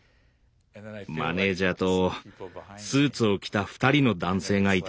マネージャーとスーツを着た２人の男性がいた。